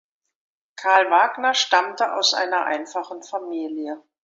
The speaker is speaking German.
Karl Wagner stammte aus einer einfachen Familie.